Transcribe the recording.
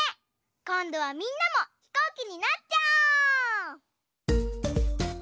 こんどはみんなもひこうきになっちゃおう！